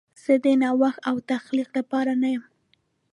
زه د نوښت او تخلیق لپاره نه یم.